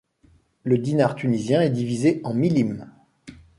Le dinar tunisien est divisé en millimes.